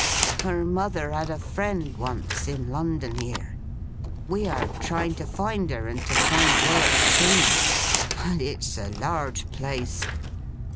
Her mother had a friend once, in London here. We are trying to find her, and to find work too; but it's a large place.